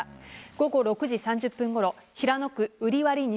午後６時３０分ごろ平野区瓜破西